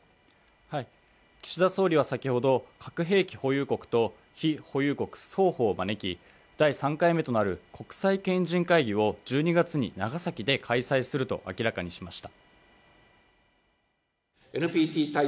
岸田総理は先ほど核兵器保有国と非保有国双方を招き第３回目となる国際賢人会議を１２月に長崎で開催すると明らかにしました